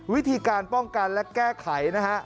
วิธีการป้องกันและแก้ไขนะฮะ